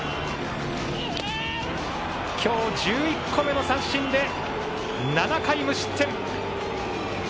今日１１個目の三振で７回無失点。